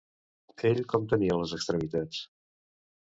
Ell com tenia les extremitats?